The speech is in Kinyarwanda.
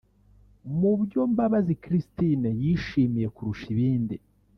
Mu byo Mbabazi Christine yishimiye kurusha ibindi